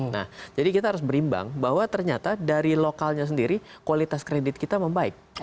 nah jadi kita harus berimbang bahwa ternyata dari lokalnya sendiri kualitas kredit kita membaik